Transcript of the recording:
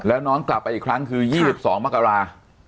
แล้วน้องกลับไปอีกครั้งคือ๒๒มกรา